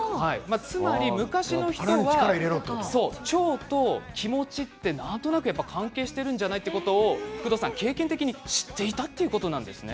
昔の人は、腸と気持ちはなんとなく関係しているんじゃないかということを経験的に知っていたということなんですね。